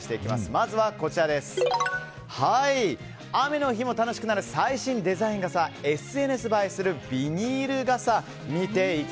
まずは、雨の日も楽しくなる最新デザイン傘ＳＮＳ映えするビニール傘。